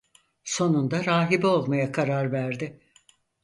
Sonunda rahibe olmaya karar verdi.